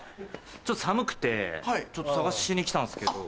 ちょっと寒くて探しに来たんですけど。